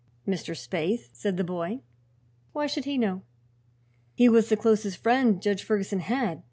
"Mr. Spaythe," said the boy. "Why should he know?" "He was the closest friend Judge Ferguson had.